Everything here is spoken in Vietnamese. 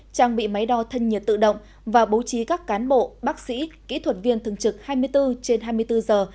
trang bị máy đo thân nhiệt tự động và bố trí các cán bộ bác sĩ kỹ thuật viên thường trực hai mươi bốn trên hai mươi bốn giờ